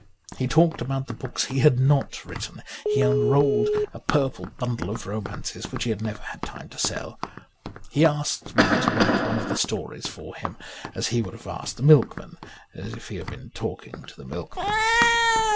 He talked about the books he had not written. He unrolled a purple bundle of romances which he had never had time to sell. He asked me to write one of the stories for him, as he would have asked the milk man, if he had been talking to the milkman.